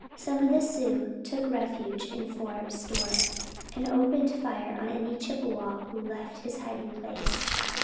Some of the Sioux took refuge in Forbes store and opened fire on any Chippewa who left his hiding place.